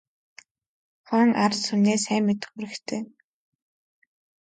Хаан ард түмнээ сайн мэдэх үүрэгтэй.